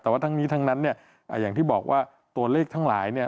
แต่ว่าทั้งนี้ทั้งนั้นเนี่ยอย่างที่บอกว่าตัวเลขทั้งหลายเนี่ย